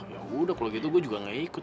ya udah kalo gitu gue juga ga ikut